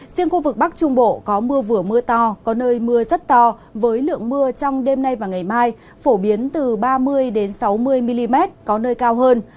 riêng khu vực bắc trung bộ có mưa vừa mưa to có nơi mưa rất to với lượng mưa trong đêm nay và ngày mai phổ biến từ ba mươi sáu mươi mm có nơi cao hơn